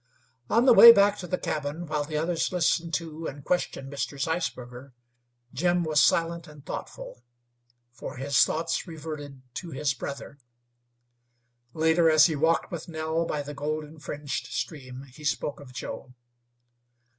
On the way back to the cabin, while the others listened to and questioned Mr. Zeisberger, Jim was silent and thoughtful, for his thoughts reverted to his brother. Later, as he walked with Nell by the golden fringed stream, he spoke of Joe.